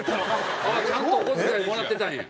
ちゃんとお小遣いもらってたんや。